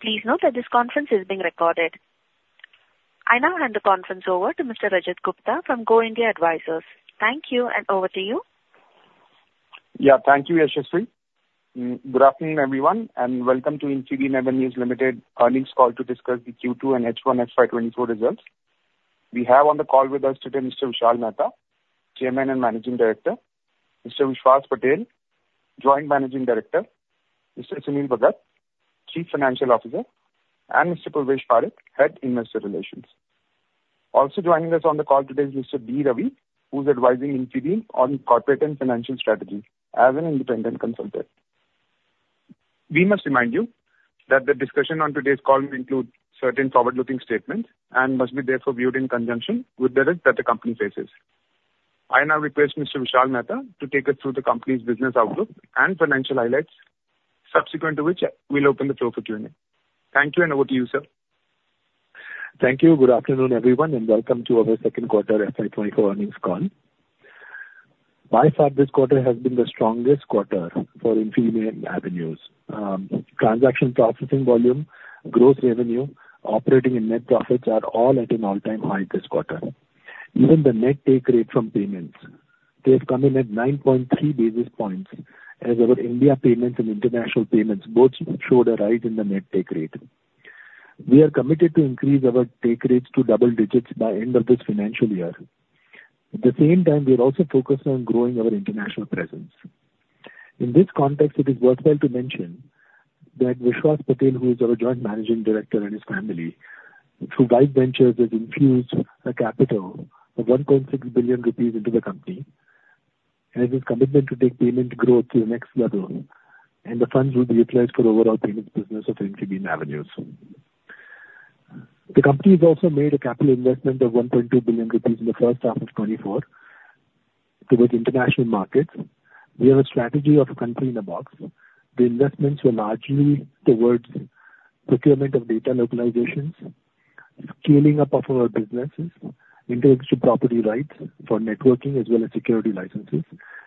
Please note that this conference is being recorded. I now hand the conference over to Mr. Rajat Gupta from Go India Advisors. Thank you, and over to you. Yeah, thank you, Yashaswini. Good afternoon, everyone, and welcome to Infibeam Avenues Limited Earnings Call to discuss the Q2 and H1 FY 2024 results. We have on the call with us today Mr. Vishal Mehta, Chairman and Managing Director, Mr. Vishwas Patel, Joint Managing Director, Mr. Sunil Bhagat, Chief Financial Officer, and Mr. Purvesh Parekh, Head, Investor Relations. Also joining us on the call today is Mr. B. Ravi, who's advising Infibeam on corporate and financial strategy as an independent consultant. We must remind you that the discussion on today's call may include certain forward-looking statements and must be therefore viewed in conjunction with the risk that the company faces. I now request Mr. Vishal Mehta to take us through the company's business outlook and financial highlights, subsequent to which we'll open the floor for Q&A. Thank you, and over to you, sir. Thank you. Good afternoon, everyone, and welcome to our second quarter FY 2024 earnings call. By far, this quarter has been the strongest quarter for Infibeam Avenues. Transaction processing volume, gross revenue, operating and net profits are all at an all-time high this quarter. Even the net take rate from payments, they have come in at 9.3 basis points as our India payments and international payments both showed a rise in the net take rate. We are committed to increase our take rates to double digits by end of this financial year. At the same time, we are also focused on growing our international presence. In this context, it is worthwhile to mention that Vishwas Patel, who is our Joint Managing Director, and his family, through Vybe Ventures, has infused a capital of 1.6 billion rupees into the company, and it is commitment to take payment growth to the next level, and the funds will be utilized for the overall payments business of Infibeam Avenues. The company has also made a capital investment of 1.2 billion rupees in the first half of 2024 towards international markets. We have a strategy of Country-in-a-Box. The investments were largely towards procurement of data localizations, scaling up of our businesses, intellectual property rights for networking as well as security licenses,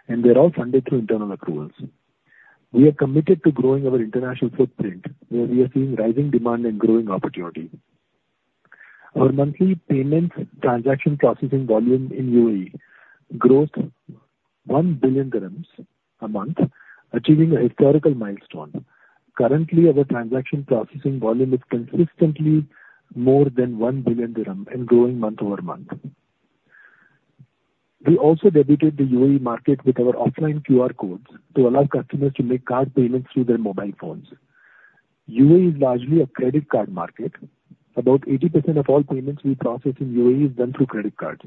and they're all funded through internal accruals. We are committed to growing our international footprint, where we are seeing rising demand and growing opportunity. Our monthly payments transaction processing volume in UAE grossed 1 billion dirhams a month, achieving a historical milestone. Currently, our transaction processing volume is consistently more than 1 billion dirham and growing month-over-month. We also debuted the UAE market with our offline QR codes to allow customers to make card payments through their mobile phones. UAE is largely a credit card market. About 80% of all payments we process in UAE is done through credit cards.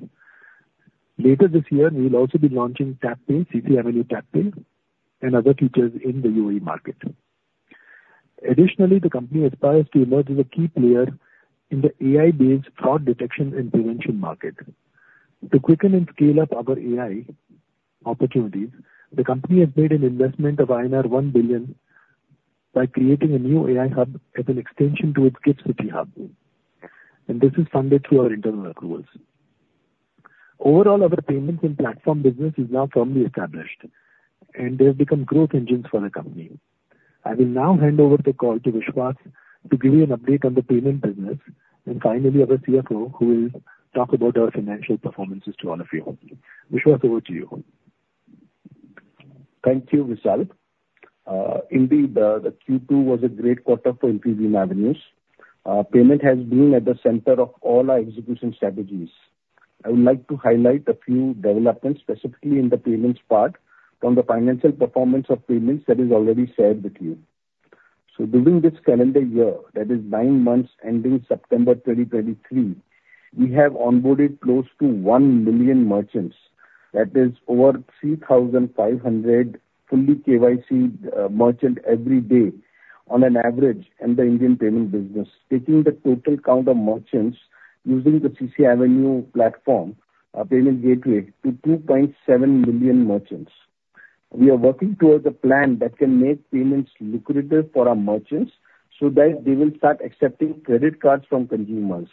Later this year, we will also be launching TapPay, CCAvenue TapPay, and other features in the UAE market. Additionally, the company aspires to emerge as a key player in the AI-based fraud detection and prevention market. To quicken and scale up our AI opportunities, the company has made an investment of INR 1 billion by creating a new AI hub as an extension to its GIFT City hub, and this is funded through our internal accruals. Overall, our payments and platform business is now firmly established, and they have become growth engines for the company. I will now hand over the call to Vishwas to give you an update on the payment business, and finally, our CFO, who will talk about our financial performances to all of you. Vishwas, over to you. Thank you, Vishal. Indeed, the Q2 was a great quarter for Infibeam Avenues. Payment has been at the center of all our execution strategies. I would like to highlight a few developments, specifically in the payments part, from the financial performance of payments that is already shared with you. So during this calendar year, that is nine months ending September 2023, we have onboarded close to 1 million merchants. That is over 3,500 fully KYC merchant every day on an average in the Indian payment business, taking the total count of merchants using the CCAvenue platform, payment gateway, to 2.7 million merchants. We are working towards a plan that can make payments lucrative for our merchants so that they will start accepting credit cards from consumers.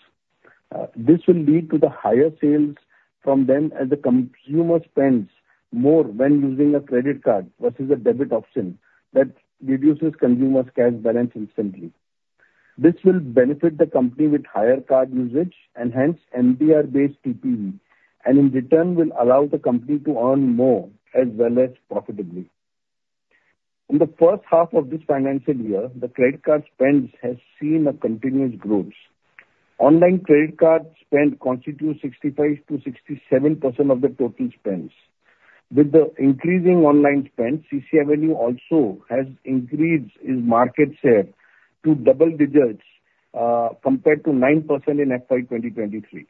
This will lead to the higher sales from them, as the consumer spends more when using a credit card versus a debit option that reduces consumers' cash balance instantly. This will benefit the company with higher card usage and hence MDR-based TPV, and in return, will allow the company to earn more as well as profitably. In the first half of this financial year, the credit card spends has seen a continuous growth. Online credit card spend constitutes 65%-67% of the total spends. With the increasing online spend, CCAvenue also has increased its market share to double digits, compared to 9% in FY 2023.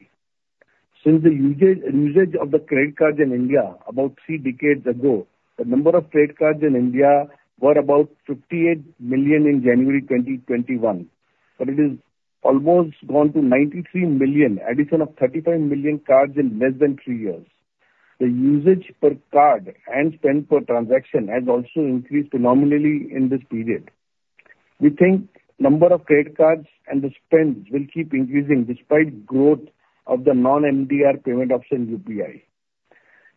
Since the usage of the credit cards in India about three decades ago, the number of credit cards in India were about 58 million in January 2021, but it is almost gone to 93 million, addition of 35 million cards in less than three years. The usage per card and spend per transaction has also increased phenomenally in this period. We think number of credit cards and the spends will keep increasing despite growth of the non-MDR payment option, UPI.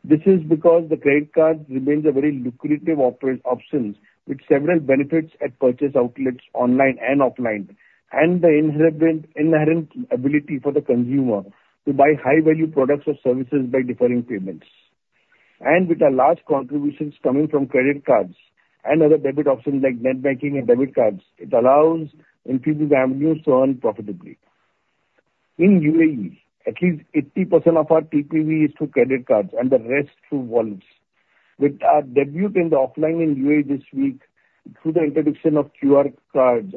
This is because the credit card remains a very lucrative options, with several benefits at purchase outlets, online and offline, and the inherent ability for the consumer to buy high value products or services by deferring payments. And with our large contributions coming from credit cards and other debit options like net banking and debit cards, it allows Infibeam Avenues to earn profitably. In UAE, at least 80% of our TPV is through credit cards and the rest through wallets. With our debut in the offline in UAE this week, through the introduction of QR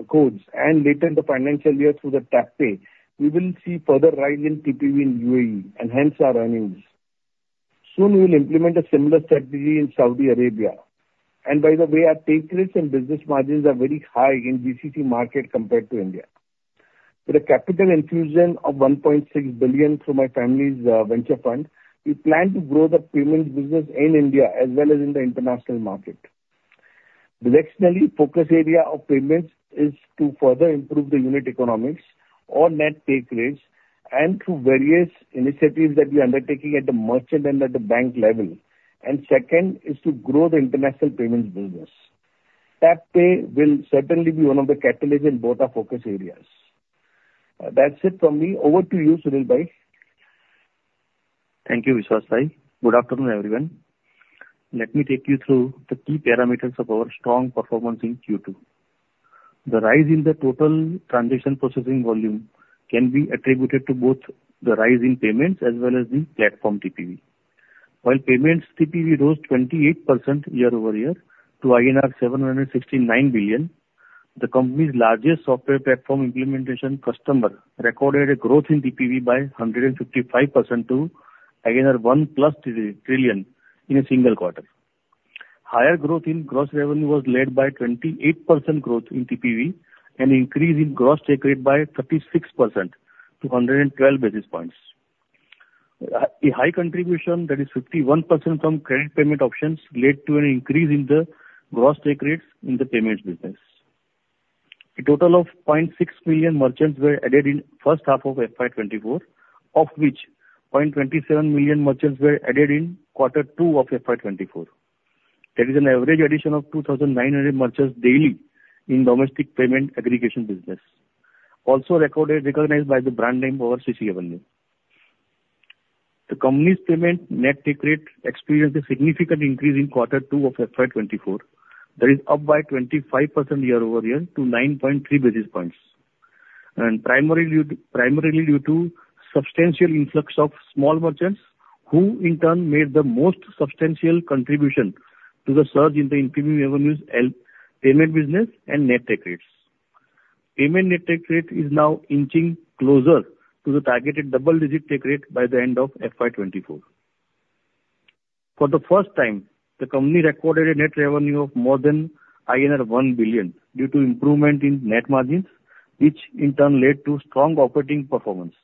codes, and later in the financial year through the TapPay, we will see further rise in TPV in UAE and hence our earnings. Soon, we will implement a similar strategy in Saudi Arabia. And by the way, our take rates and business margins are very high in GCC market compared to India. With a capital infusion of 1.6 billion through my family's venture fund, we plan to grow the payments business in India as well as in the international market. The next main focus area of payments is to further improve the unit economics or net take rates, and through various initiatives that we are undertaking at the merchant and at the bank level, and second, is to grow the international payments business. TapPay will certainly be one of the catalysts in both our focus areas. That's it from me. Over to you, Sunil bhai. Thank you, Vishwas bhai. Good afternoon, everyone. Let me take you through the key parameters of our strong performance in Q2. The rise in the total transaction processing volume can be attributed to both the rise in payments as well as the platform TPV. While payments TPV rose 28% year-over-year to INR 769 billion, the company's largest software platform implementation customer recorded a growth in TPV by 155% to 1+ trillion in a single quarter. Higher growth in gross revenue was led by 28% growth in TPV and increase in gross take rate by 36% to 112 basis points. A high contribution, that is 51% from credit payment options, led to an increase in the gross take rates in the payments business. A total of 0.6 million merchants were added in first half of FY 2024, of which 0.27 million merchants were added in quarter two of FY 2024. That is an average addition of 2,900 merchants daily in domestic payment aggregation business, also recognized by the brand name of CCAvenue. The company's payment net take rate experienced a significant increase in quarter two of FY 2024. That is up by 25% year-over-year to 9.3 basis points, and primarily due to substantial influx of small merchants, who in turn made the most substantial contribution to the surge in the TPV revenues and payment business and net take rates. Payment net take rate is now inching closer to the targeted double-digit take rate by the end of FY 2024. For the first time, the company recorded a net revenue of more than INR 1 billion due to improvement in net margins, which in turn led to strong operating performance.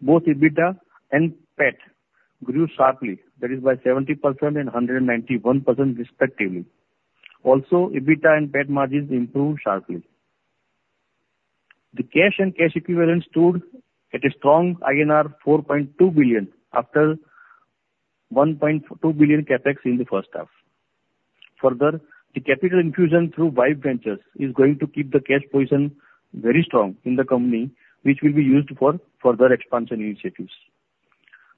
Both EBITDA and PAT grew sharply, that is by 70% and 191% respectively. Also, EBITDA and PAT margins improved sharply. The cash and cash equivalents stood at a strong INR 4.2 billion, after 1.2 billion CapEx in the first half. Further, the capital infusion through Vybe Ventures is going to keep the cash position very strong in the company, which will be used for further expansion initiatives.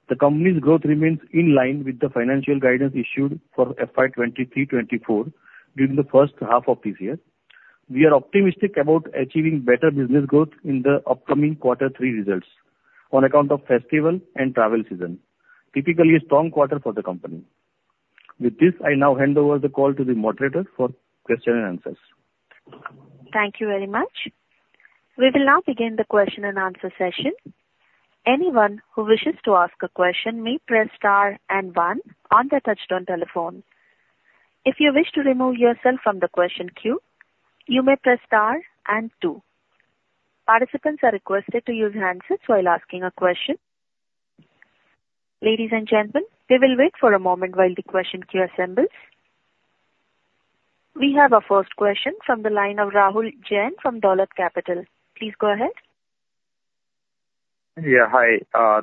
The company's growth remains in line with the financial guidance issued for FY 2023-2024, during the first half of this year. We are optimistic about achieving better business growth in the upcoming quarter three results on account of festival and travel season, typically a strong quarter for the company. With this, I now hand over the call to the moderator for question-and-answers. Thank you very much. We will now begin the question-and-answer session. Anyone who wishes to ask a question may press star and one on their touch-tone telephone. If you wish to remove yourself from the question queue, you may press star and two. Participants are requested to use handsets while asking a question. Ladies and gentlemen, we will wait for a moment while the question queue assembles. We have our first question from the line of Rahul Jain from Dolat Capital. Please go ahead. Yeah, hi.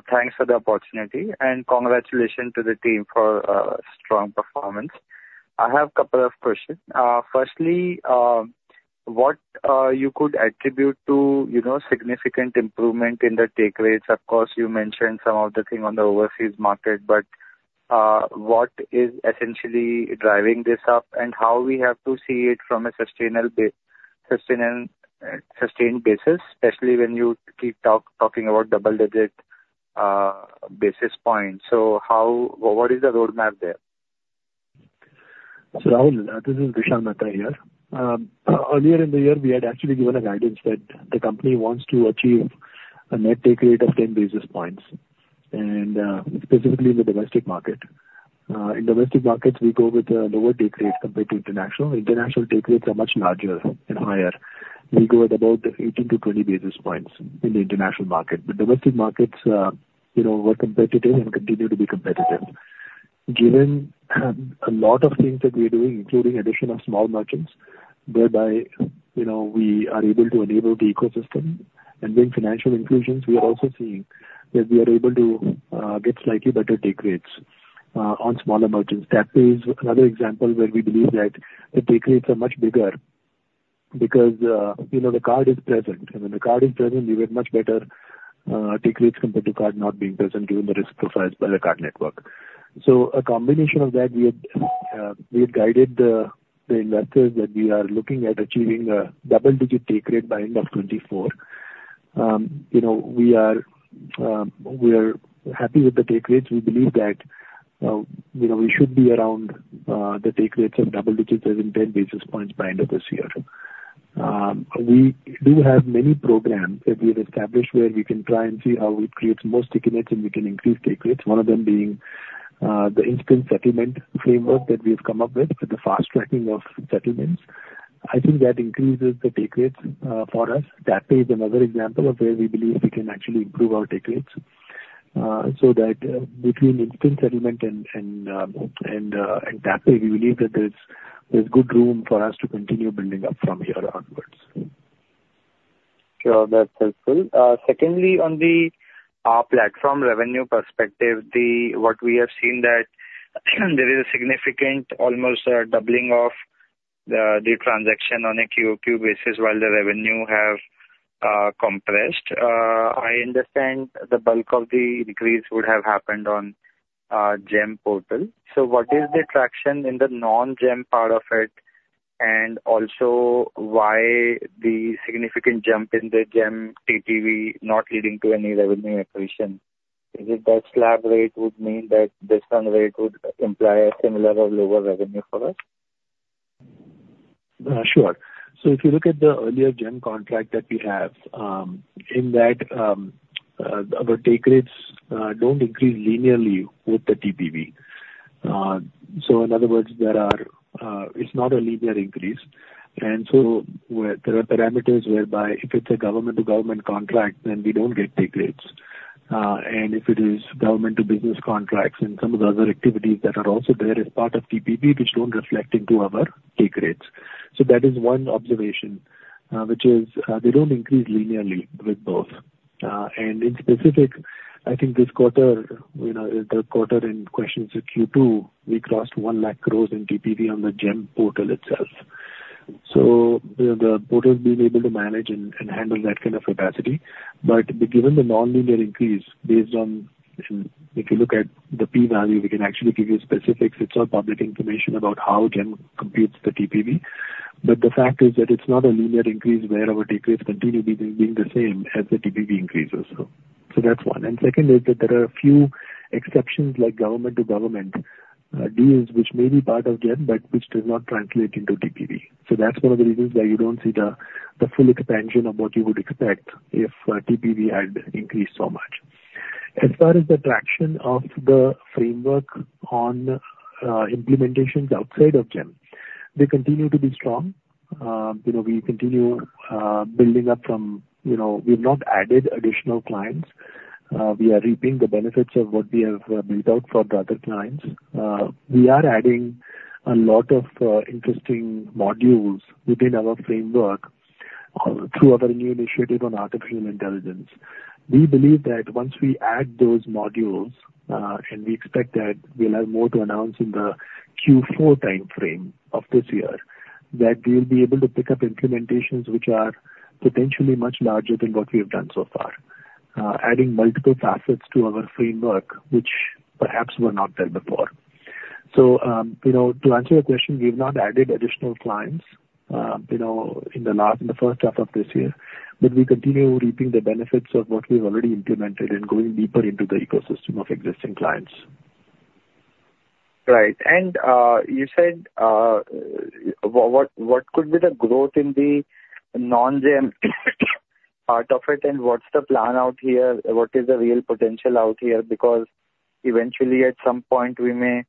Thanks for the opportunity, and congratulations to the team for strong performance. I have a couple of questions. Firstly, what you could attribute to, you know, significant improvement in the take rates? Of course, you mentioned some of the thing on the overseas market, but what is essentially driving this up and how we have to see it from a sustainable sustainable sustained basis, especially when you keep talking about double digit basis points. So how... What is the roadmap there? So Rahul, this is Vishal Mehta here. Earlier in the year, we had actually given a guidance that the company wants to achieve a net take rate of 10 basis points, and, specifically in the domestic market. In domestic markets, we go with a lower take rate compared to international. International take rates are much larger and higher. We go at about 18-20 basis points in the international market. But domestic markets, you know, we're competitive and continue to be competitive. Given, a lot of things that we're doing, including addition of small merchants-... whereby, you know, we are able to enable the ecosystem. And with financial inclusions, we are also seeing that we are able to get slightly better take rates on smaller merchants. That is another example where we believe that the take rates are much bigger because, you know, the card is present, and when the card is present, we get much better take rates compared to card not being present, given the risk profiles by the card network. So a combination of that, we had guided the investors that we are looking at achieving a double-digit take rate by end of 2024. You know, we are happy with the take rates. We believe that, you know, we should be around the take rates of double digits, as in 10 basis points, by end of this year. We do have many programs that we have established, where we can try and see how it creates more stickiness, and we can increase take rates, one of them being the instant settlement framework that we have come up with for the fast-tracking of settlements. I think that increases the take rates for us. That is another example of where we believe we can actually improve our take rates. So that between instant settlement and that way, we believe that there's good room for us to continue building up from here onwards. Sure, that's helpful. Secondly, on the platform revenue perspective, what we have seen that there is a significant almost doubling of the transaction on a QoQ basis while the revenue have compressed. I understand the bulk of the decrease would have happened on GeM portal. So what is the traction in the non-GeM part of it? And also, why the significant jump in the GeM TPV not leading to any revenue accretion? Is it that slab rate would mean that discount rate would imply a similar or lower revenue for us? Sure. So if you look at the earlier GeM contract that we have, in that, our take rates don't increase linearly with the TPV. So in other words, there are, it's not a linear increase. And so where there are parameters whereby if it's a government-to-government contract, then we don't get take rates. And if it is government-to-business contracts and some of the other activities that are also there as part of TPV, which don't reflect into our take rates. So that is one observation, which is, they don't increase linearly with both. And in specific, I think this quarter, you know, the quarter in question is Q2, we crossed 100,000 crore in TPV on the GeM portal itself. So the portal's been able to manage and handle that kind of capacity. But given the nonlinear increase, based on, if you look at the P value, we can actually give you specifics. It's all public information about how GeM computes the TPV. But the fact is that it's not a linear increase, where our take rates continue being the same as the TPV increases. So that's one. And second is that there are a few exceptions, like government-to-government deals, which may be part of GeM, but which do not translate into TPV. So that's one of the reasons why you don't see the full expansion of what you would expect if TPV had increased so much. As far as the traction of the framework on implementations outside of GeM, they continue to be strong. You know, we continue building up from... You know, we've not added additional clients. We are reaping the benefits of what we have built out for the other clients. We are adding a lot of interesting modules within our framework through our new initiative on artificial intelligence. We believe that once we add those modules, and we expect that we'll have more to announce in the Q4 timeframe of this year, that we'll be able to pick up implementations which are potentially much larger than what we have done so far. Adding multiple facets to our framework, which perhaps were not there before. So, you know, to answer your question, we've not added additional clients, you know, in the first half of this year. But we continue reaping the benefits of what we've already implemented and going deeper into the ecosystem of existing clients. Right. And you said what could be the growth in the non-GeM part of it, and what's the plan out here? What is the real potential out here? Because eventually, at some point, we may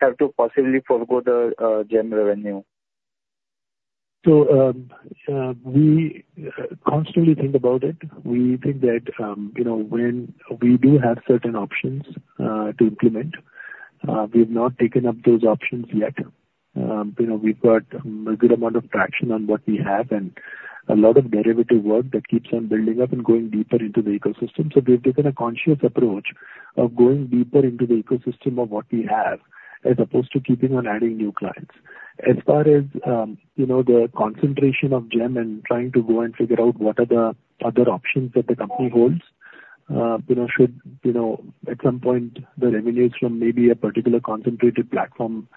have to possibly forgo the GeM revenue. So, we constantly think about it. We think that, you know, when we do have certain options to implement, we've not taken up those options yet. You know, we've got a good amount of traction on what we have and a lot of derivative work that keeps on building up and going deeper into the ecosystem. So we've taken a conscious approach of going deeper into the ecosystem of what we have, as opposed to keeping on adding new clients. As far as, you know, the concentration of GeM and trying to go and figure out what are the other options that the company holds, you know, should, you know, at some point, the revenues from maybe a particular concentrated platform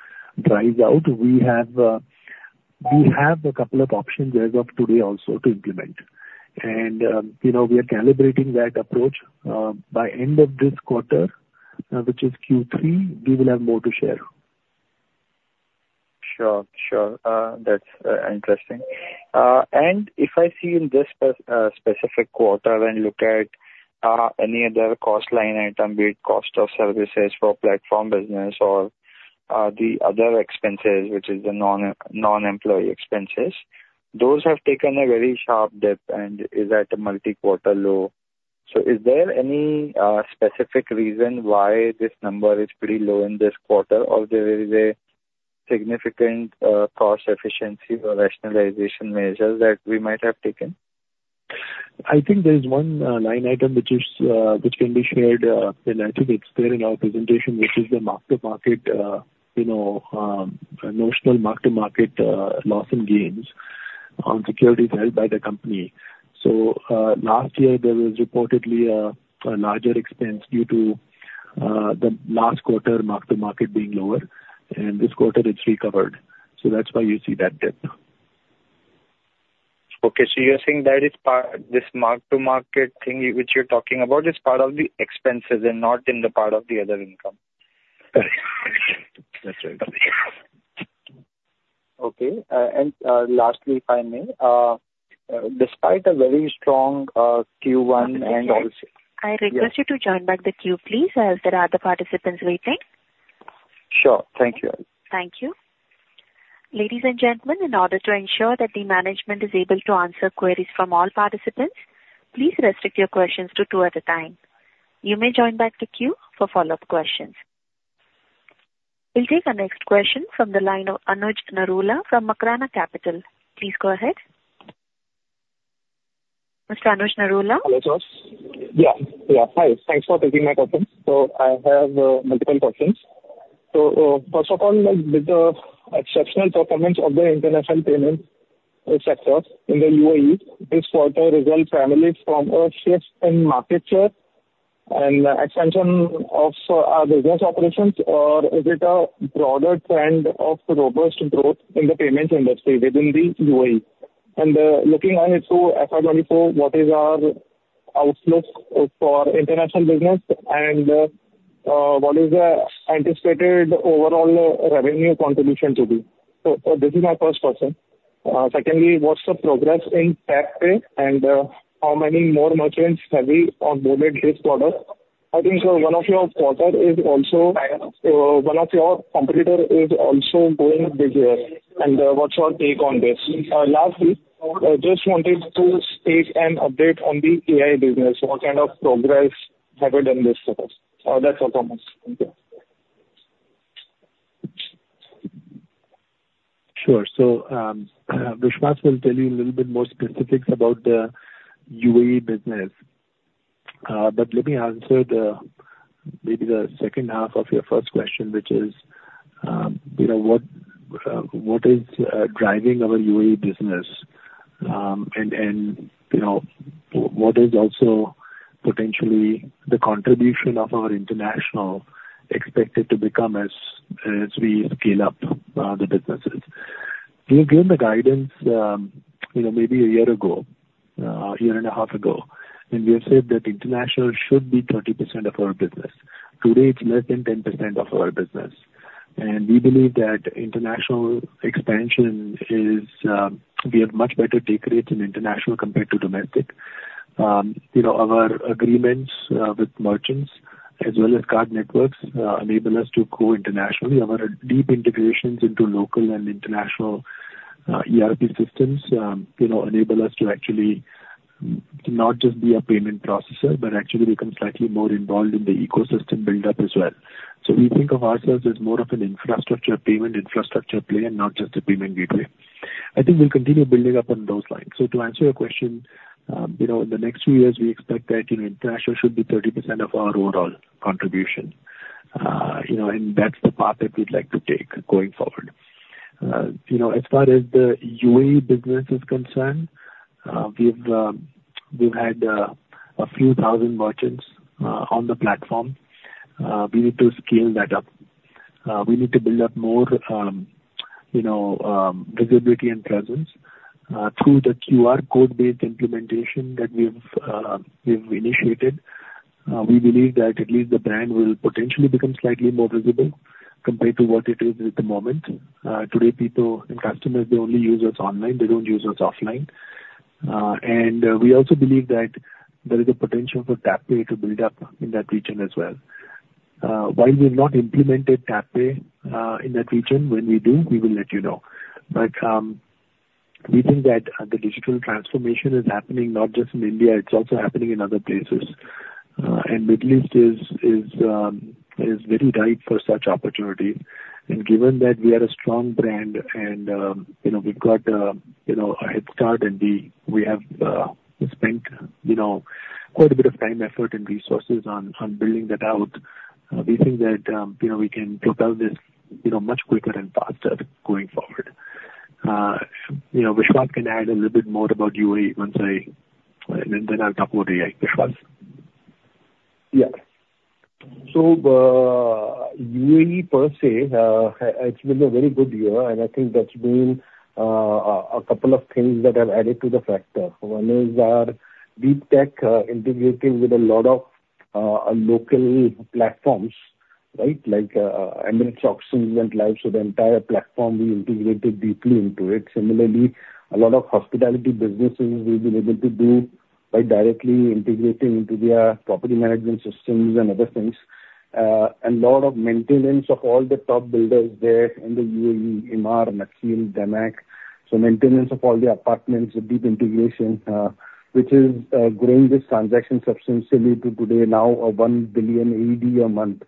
dries out, we have, we have a couple of options as of today also to implement. You know, we are calibrating that approach. By end of this quarter, which is Q3, we will have more to share. Sure. Sure. That's interesting. And if I see in this specific quarter and look at any other cost line item, be it cost of services for platform business or the other expenses, which is the non-employee expenses, those have taken a very sharp dip, and is at a multi-quarter low. So is there any specific reason why this number is pretty low in this quarter, or there is a significant cost efficiency or rationalization measures that we might have taken? I think there is one line item which is, which can be shared, and I think it's there in our presentation, which is the mark to market, you know, notional mark to market, loss and gains on securities held by the company. So, last year there was reportedly a larger expense due to the last quarter mark to market being lower, and this quarter it's recovered. So that's why you see that dip now. Okay. So you're saying that is part, this mark-to-market thingy which you're talking about, is part of the expenses and not in the part of the other income? Right. That's right. Okay. And lastly, if I may, despite a very strong Q1 and also- I request you to join back the queue, please, as there are other participants waiting. Sure. Thank you. Thank you. Ladies and gentlemen, in order to ensure that the management is able to answer queries from all participants, please restrict your questions to two at a time. You may join back the queue for follow-up questions. We'll take our next question from the line of Anuj Narula from Makrana Capital. Please go ahead. Mr. Anuj Narula? Hello, sir. Yeah. Yeah. Hi, thanks for taking my question. So I have multiple questions. So first of all, with the exceptional performance of the international payment sector in the UAE, this quarter result primarily from a shift in market share and expansion of business operations. Or is it a broader trend of robust growth in the payments industry within the UAE? And looking ahead to FY 2024, what is our outlook for international business? And what is the anticipated overall revenue contribution to this? So this is my first question. Secondly, what's the progress in TapPay, and how many more merchants have we onboarded this product? I think one of your competitors is also going big here, and what's your take on this? Lastly, I just wanted to take an update on the AI business. What kind of progress have you done this quarter? That's all from us. Thank you. Sure. So, Vishwas will tell you a little bit more specifics about the UAE business. But let me answer the, maybe the second half of your first question, which is, you know, what is driving our UAE business? And, you know, what is also potentially the contribution of our international expected to become as we scale up the businesses. We had given the guidance, you know, maybe a year ago, a year and a half ago, and we have said that international should be 30% of our business. Today, it's less than 10% of our business, and we believe that international expansion is, we have much better take rates in international compared to domestic. You know, our agreements with merchants as well as card networks enable us to go internationally. Our deep integrations into local and international, ERP systems, you know, enable us to actually not just be a payment processor, but actually become slightly more involved in the ecosystem build-up as well. So we think of ourselves as more of an infrastructure, payment infrastructure player and not just a payment gateway. I think we'll continue building up on those lines. So to answer your question, you know, in the next few years, we expect that, you know, international should be 30% of our overall contribution. You know, and that's the path that we'd like to take going forward. You know, as far as the UAE business is concerned, we've, we've had, a few thousand merchants, on the platform. We need to scale that up. We need to build up more, you know, visibility and presence through the QR code-based implementation that we've initiated. We believe that at least the brand will potentially become slightly more visible compared to what it is at the moment. Today, people and customers, they only use us online, they don't use us offline. And, we also believe that there is a potential for TapPay to build up in that region as well. While we've not implemented TapPay in that region, when we do, we will let you know. But, we think that, the digital transformation is happening not just in India, it's also happening in other places. And Middle East is very ripe for such opportunity. Given that we are a strong brand and, you know, we've got, you know, a head start and we, we have spent, you know, quite a bit of time, effort, and resources on building that out, we think that, you know, we can propel this, you know, much quicker and faster going forward. You know, Vishwas can add a little bit more about UAE once I... and then I'll talk about AI. Vishwas? Yeah. So, UAE per se, it's been a very good year, and I think that's been a couple of things that have added to the factor. One is our deep tech, integrating with a lot of local platforms, right? Like, Emirates Auction went live, so the entire platform, we integrated deeply into it. Similarly, a lot of hospitality businesses we've been able to do by directly integrating into their property management systems and other things. A lot of maintenance of all the top builders there in the UAE, Emaar, Nakheel, DAMAC. So maintenance of all the apartments, the deep integration, which is growing this transaction substantially to today now, 1 billion a month,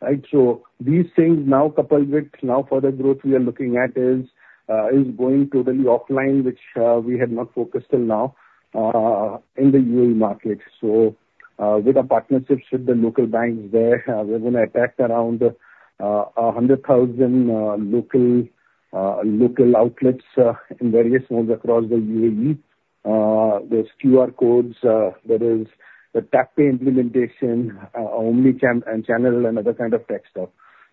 right? So these things now coupled with now further growth we are looking at is going totally offline, which we have not focused till now in the UAE market. So with our partnerships with the local banks there, we're gonna attack around 100,000 local outlets in various malls across the UAE. There's QR codes, there is the TapPay implementation, omnichannel and other kind of tech stuff.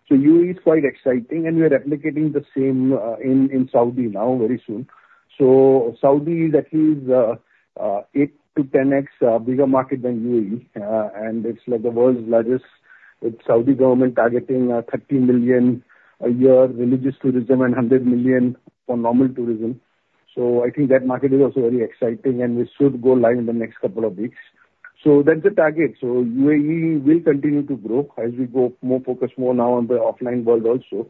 So UAE is quite exciting, and we are replicating the same in Saudi now, very soon. So Saudi is at least 8x-10x bigger market than UAE, and it's like the world's largest, with Saudi government targeting 30 million a year religious tourism and 100 million for normal tourism. So I think that market is also very exciting, and we should go live in the next couple of weeks. So that's the target. So UAE will continue to grow as we go more focused more now on the offline world also,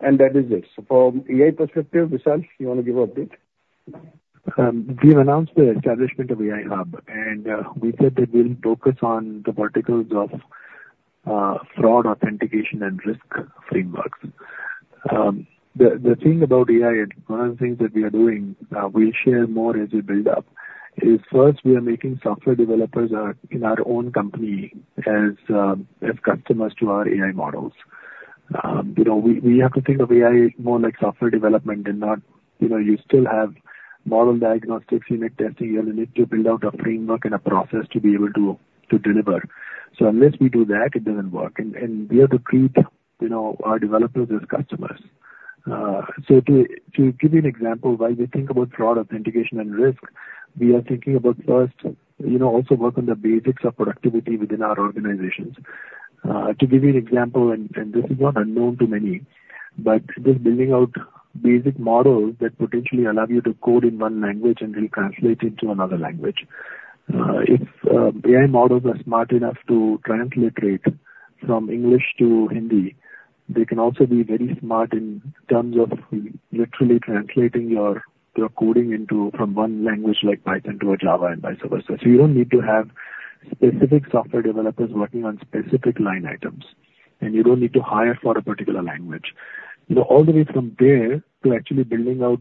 and that is it. So from AI perspective, Vishal, you wanna give an update? We announced the establishment of AI Hub, and we said that we'll focus on the verticals of fraud, authentication, and risk frameworks. The thing about AI and one of the things that we are doing, we'll share more as we build up, is first, we are making software developers in our own company as customers to our AI models. You know, we have to think of AI more like software development and not, you know, you still have model diagnostics, unit testing. You have the need to build out a framework and a process to be able to deliver. So unless we do that, it doesn't work. And we have to treat, you know, our developers as customers. So to give you an example, while we think about fraud, authentication, and risk, we are thinking about first, you know, also work on the basics of productivity within our organizations. To give you an example, and this is not unknown to many, but just building out basic models that potentially allow you to code in one language and will translate into another language. If AI models are smart enough to translate it from English to Hindi, they can also be very smart in terms of literally translating your coding into from one language like Python to a Java and vice versa. So you don't need to have specific software developers working on specific line items, and you don't need to hire for a particular language. You know, all the way from there to actually building out,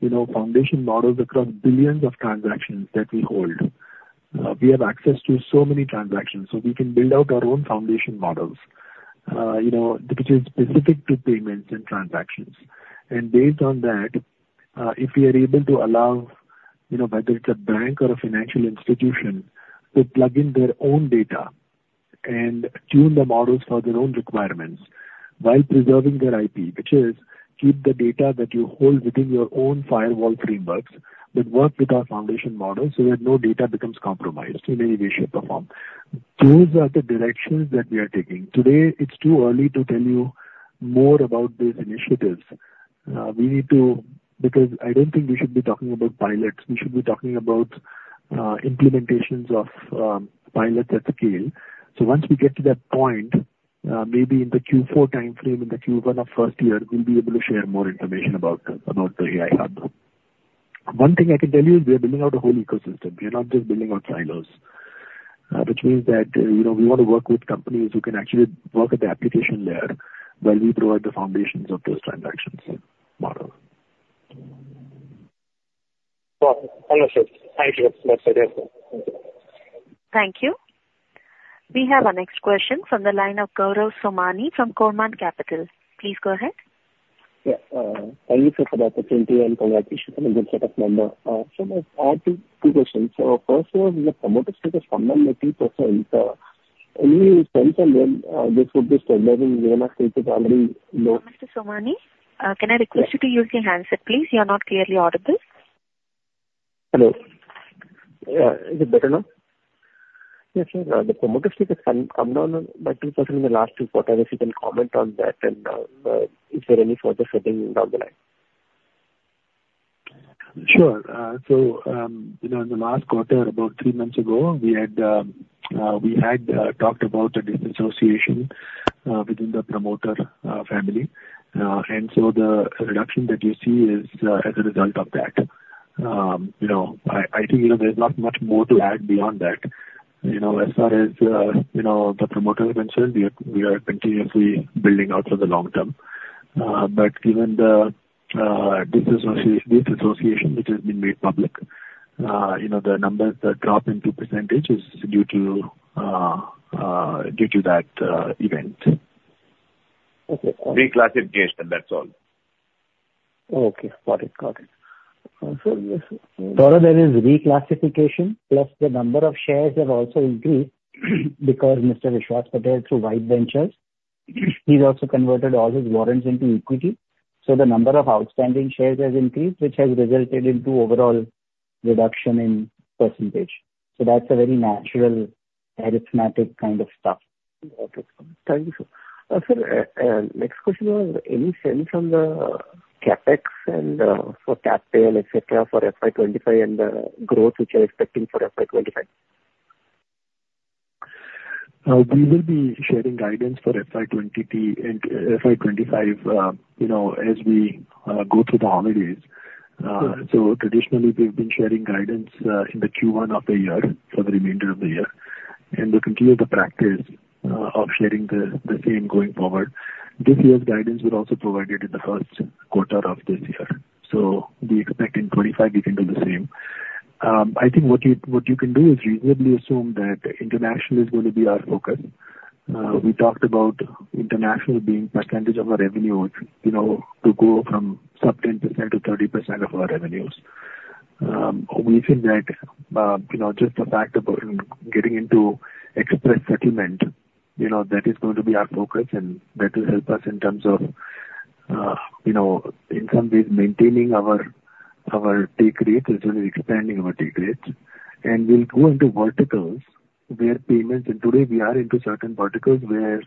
you know, foundation models across billions of transactions that we hold. We have access to so many transactions, so we can build out our own foundation models, you know, which is specific to payments and transactions. And based on that, if we are able to allow, you know, whether it's a bank or a financial institution, to plug in their own data and tune the models for their own requirements while preserving their IP, which is keep the data that you hold within your own firewall frameworks, but work with our foundation models so that no data becomes compromised in any way, shape, or form. Those are the directions that we are taking. Today, it's too early to tell you more about these initiatives. We need to... Because I don't think we should be talking about pilots. We should be talking about implementations of pilots at scale. So once we get to that point, maybe in the Q4 timeframe, in the Q1 of first year, we'll be able to share more information about the AI hub. One thing I can tell you, we are building out a whole ecosystem. We are not just building out silos, which means that, you know, we want to work with companies who can actually work at the application layer, while we provide the foundations of those transactions model. Well, understood. Thank you. That's very helpful. Thank you. Thank you. We have our next question from the line of Gaurav Somani from Korman Capital. Please go ahead. Yeah. Thank you, sir, for the opportunity, and congratulations on the good set of numbers. So I have two questions. First one, the promoter stake has come down by 2%. Any sense on when this would be stabilizing? We are not seeing it already low- Mr. Somani, can I request you to use your handset, please? You are not clearly audible. Hello. Is it better now? Yes, sir. The promoter stake has come down by 2% in the last two quarters. If you can comment on that, and is there any further selling down the line? Sure. So, you know, in the last quarter, about three months ago, we had talked about a disassociation within the promoter family. And so the reduction that you see is as a result of that. You know, I think, you know, there's not much more to add beyond that. You know, as far as you know, the promoter is concerned, we are continuously building out for the long term. But given the disassociation, which has been made public, you know, the numbers, the drop in 2% is due to that event. Okay. Reclassification, that's all. Okay. Got it. Got it. So this- Gaurav, there is reclassification, plus the number of shares have also increased because Mr. Vishwas Patel through Vybe Ventures, he's also converted all his warrants into equity. So the number of outstanding shares has increased, which has resulted into overall reduction in percentage. So that's a very natural arithmetic kind of stuff. Okay. Thank you, sir. Next question was, any sense on the CapEx and for Cap table, et cetera, for FY 25 and the growth which you're expecting for FY 25? We will be sharing guidance for FY 2023 and FY 2025, you know, as we go through the holidays. So traditionally, we've been sharing guidance in the Q1 of the year for the remainder of the year, and we'll continue the practice of sharing the same going forward. This year's guidance was also provided in the first quarter of this year, so we expect in 2025 we can do the same. I think what you can do is reasonably assume that international is going to be our focus. We talked about international being percentage of our revenue, you know, to go from sub 10%-30% of our revenues. We think that, you know, just the fact about getting into express settlement, you know, that is going to be our focus, and that will help us in terms of, you know, in some ways, maintaining our take rate as well as expanding our take rates. We'll go into verticals where payments... Today we are into certain verticals where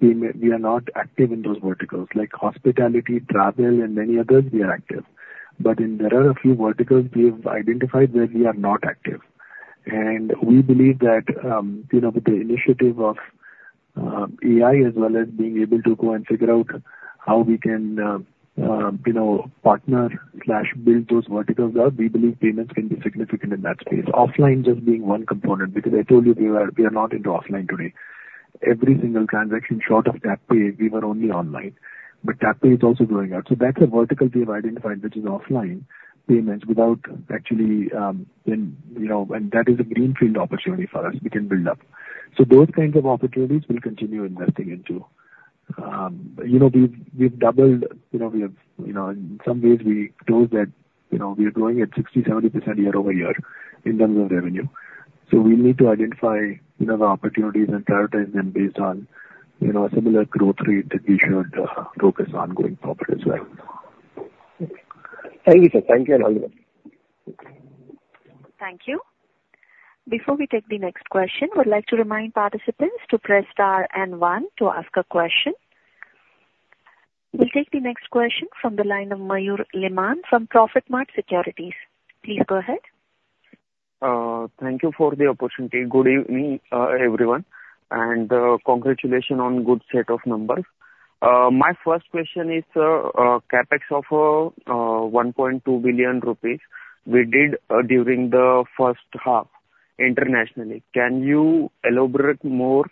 we are not active in those verticals. Like hospitality, travel, and many others, we are active. But there are a few verticals we have identified where we are not active. We believe that, you know, with the initiative of AI, as well as being able to go and figure out how we can, you know, partner/build those verticals up, we believe payments can be significant in that space. Offline just being one component, because I told you we are not into offline today. Every single transaction short of TapPay, we were only online. But TapPay is also growing out, so that's a vertical we have identified, which is offline payments, without actually, you know, and that is a greenfield opportunity for us we can build up. So those kinds of opportunities we'll continue investing into. You know, we've doubled, you know, we have, you know, in some ways we chose that, you know, we are growing at 60%-70% year-over-year in terms of revenue. So we need to identify, you know, the opportunities and prioritize them based on, you know, a similar growth rate that we should focus on going forward as well. Thank you, sir. Thank you and have a good one. Thank you. Before we take the next question, I would like to remind participants to press star and one to ask a question. We'll take the next question from the line of Mayur Liman from Profitmart Securities. Please go ahead. Thank you for the opportunity. Good evening, everyone, and, congratulations on good set of numbers. My first question is, CapEx of 1.2 billion rupees we did, during the first half internationally. Can you elaborate more,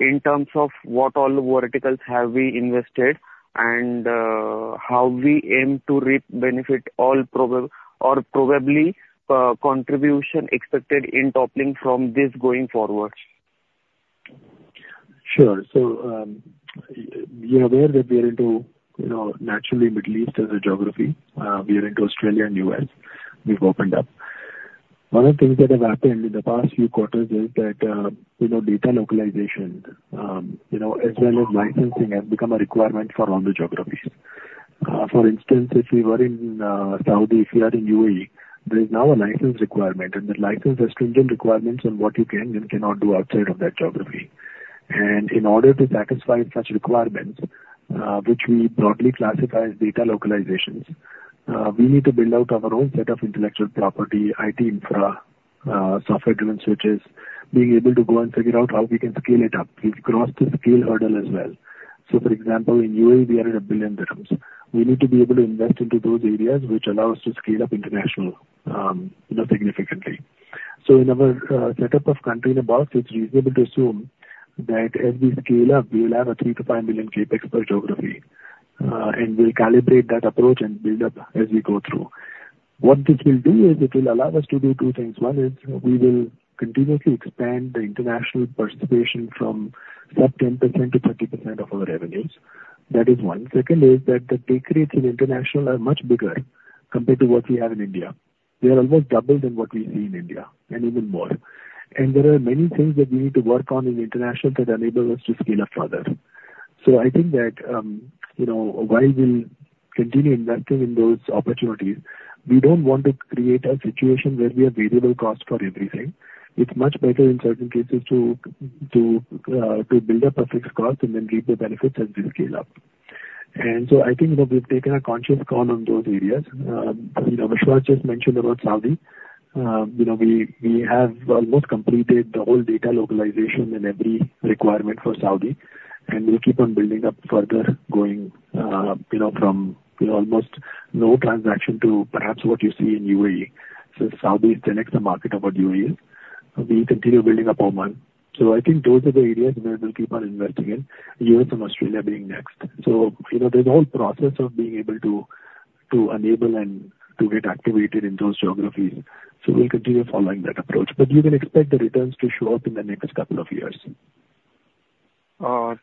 in terms of what all verticals have we invested and, how we aim to reap benefit all probably, contribution expected in toppling from this going forward? Sure. So, you're aware that we are into, you know, naturally Middle East as a geography. We are into Australia and U.S., we've opened up. One of the things that have happened in the past few quarters is that, you know, data localization, you know, as well as licensing, have become a requirement for all the geographies. For instance, if we were in, Saudi, if we are in UAE, there is now a license requirement, and the license has stringent requirements on what you can and cannot do outside of that geography. And in order to satisfy such requirements, which we broadly classify as data localizations, we need to build out our own set of intellectual property, IT infra, software-driven switches, being able to go and figure out how we can scale it up. We've crossed the scale hurdle as well. So, for example, in UAE, we are at 1 billion dirhams. We need to be able to invest into those areas which allow us to scale up international, you know, significantly. So in our set up of country in a box, it's reasonable to assume that as we scale up, we will have a 3 million-INR5 million CapEx per geography. And we'll calibrate that approach and build up as we go through. What it will do is it will allow us to do two things. One is we will continuously expand the international participation from sub-10%-30% of our revenues. That is one. Second is that the take rates in international are much bigger compared to what we have in India. They are almost double than what we see in India, and even more. There are many things that we need to work on in international that enable us to scale up further. So I think that, you know, while we'll continue investing in those opportunities, we don't want to create a situation where we have variable cost for everything. It's much better in certain cases to build up a fixed cost and then reap the benefits as we scale up. And so I think that we've taken a conscious call on those areas. You know, Vishwas just mentioned about Saudi. You know, we have almost completed the whole data localization and every requirement for Saudi, and we'll keep on building up further, going, you know, from almost no transaction to perhaps what you see in UAE. So Saudi is still next to market about UAE. We continue building up Oman. So, I think those are the areas where we'll keep on investing in, U.S. and Australia being next. So, you know, there's all process of being able to, to enable and to get activated in those geographies. So we'll continue following that approach, but you can expect the returns to show up in the next couple of years.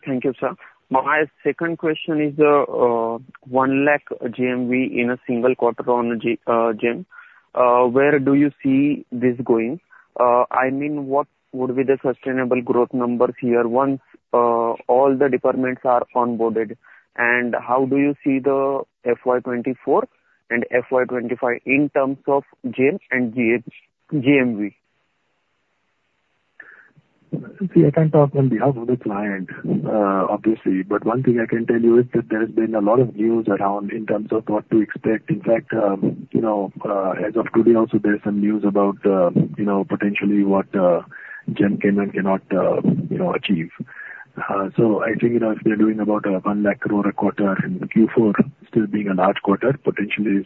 Thank you, sir. My second question is, 1 lakh crore GMV in a single quarter on GeM. Where do you see this going? I mean, what would be the sustainable growth numbers here once, all the departments are onboarded? And how do you see the FY 2024 and FY 2025 in terms of GeM and GeM, GMV?... See, I can't talk on behalf of the client, obviously, but one thing I can tell you is that there has been a lot of news around in terms of what to expect. In fact, you know, as of today, also, there is some news about, you know, potentially what, GeM can and cannot, you know, achieve. So I think, you know, if they're doing about 100,000 crore a quarter, and Q4 still being a large quarter, potentially is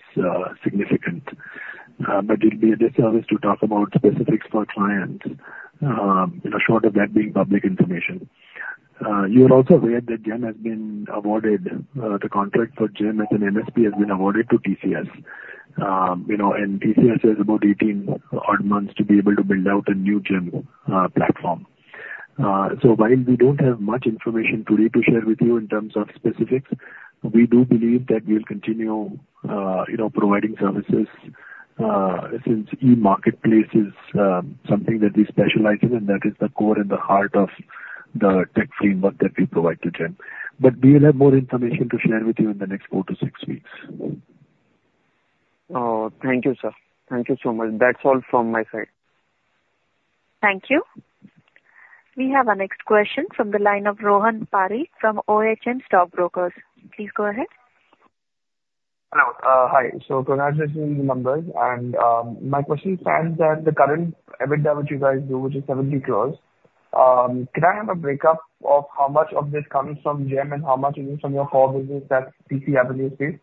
significant. But it'll be a disservice to talk about specifics for clients, you know, short of that being public information. You are also aware that GeM has been awarded, the contract for GeM as an MSP has been awarded to TCS. You know, and TCS has about 18 odd months to be able to build out a new GeM, platform. So while we don't have much information today to share with you in terms of specifics, we do believe that we'll continue, providing services, since e-Marketplace is, something that we specialize in, and that is the core and the heart of the tech framework that we provide to GeM. But we'll have more information to share with you in the next four-six weeks. Thank you, sir. Thank you so much. That's all from my side. Thank you. We have our next question from the line of Rohan Parikh from Ohm Stock Brokers. Please go ahead. Hello. Hi. So congratulations on the numbers, and my question is, since that the current EBITDA, which you guys do, which is 70 crores, can I have a breakup of how much of this comes from GeM and how much is from your core business, that CCAvenue space?